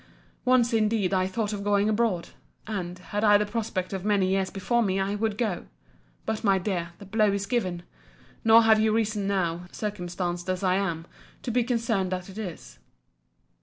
Once, indeed, I thought of going abroad; and, had I the prospect of many years before me, I would go.—But, my dear, the blow is given.—Nor have you reason now, circumstanced as I am, to be concerned that it is.